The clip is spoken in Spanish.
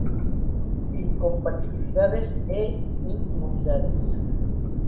Incompatibilidades e inmunidades.